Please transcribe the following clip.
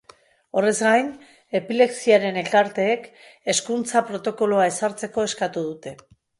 Horrez gain, epilepsiaren elkarteek hezkuntza protokoloa ezartzeko eskatu dute.